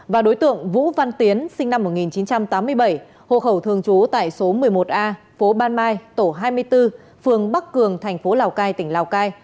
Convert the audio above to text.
và đối tượng vũ văn tiến sinh năm một nghìn chín trăm tám mươi bảy hộ khẩu thường trú tại số một mươi một a phố ban mai tổ hai mươi bốn phường bắc cường thành phố lào cai tỉnh lào cai